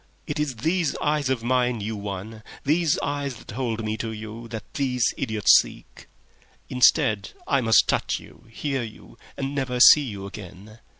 .... It is these eyes of mine you won, these eyes that hold me to you, that these idiots seek. Instead, I must touch you, hear you, and never see you again.